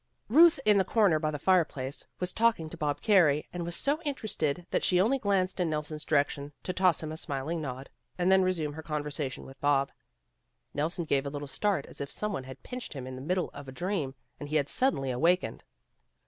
Euth in the corner by the fireplace was talking to Bob Carey, and was so interested that she only glanced in Nelson's direction, to toss him a smiling nod, and then resume her conver sation with Bob. Nelson gave a little start as if some one had pinched him in the mid dle of a dream and he had suddenly awak ened.